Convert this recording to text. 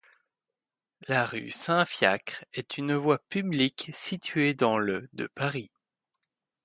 La rue Saint-Fiacre est une voie publique située dans le de Paris.